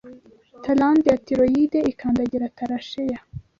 Talande ya tiroyide ikandagira tarasheya